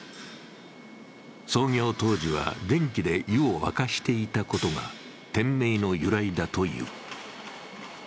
創業当時は電気で湯を沸かしていたことが店名の由来だという。